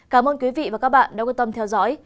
cảm ơn quý vị và các bạn đã quan tâm theo dõi